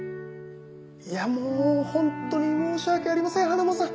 いやもうホントに申し訳ありませんハナモさん。